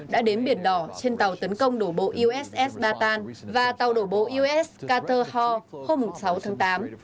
đã đến biển đỏ trên tàu tấn công đổ bộ uss batan và tàu đổ bộ uss carter hall hôm sáu tháng tám